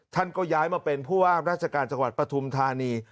ท่านก็ย้ายมาเป็นผู้ว่าราชการจังหวัดปฐุมธานี